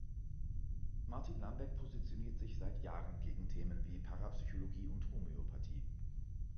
Martin Lambeck positioniert sich seit Jahren gegen Themen wie Parapsychologie und Homöopathie.